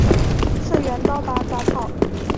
次元刀拔杂草